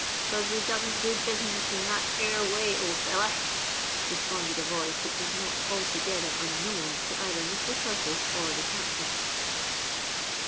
"'Cos we doesn't do business in that ere way, old feller," responded a voice which was not altogether unknown to either Mr. Curtis or the Captain.